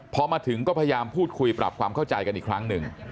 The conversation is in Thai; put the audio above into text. พอมาถึงก็พยายามพูดคุยปรับความเข้าใจกันอีกครั้งหนึ่ง